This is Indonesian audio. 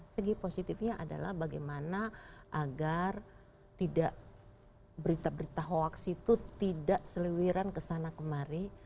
segi positifnya adalah bagaimana agar tidak berita berita hoax itu tidak seliwiran kesana kemari